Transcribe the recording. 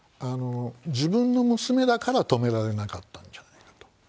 自分の娘だから止められなかったんじゃないかと。